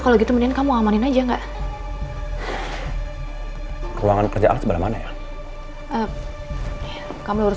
kalau gitu mendingan kamu amanin aja enggak ruangan kerja ar sebelah mana ya kamu harus